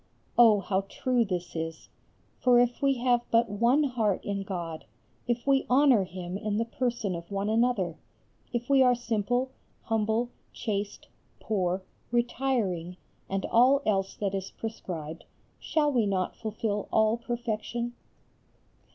Oh, how true this is! For if we have but one heart in God, if we honour Him in the person of one another; if we are simple, humble, chaste, poor, retiring, and all else that is prescribed, shall we not fulfil all perfection?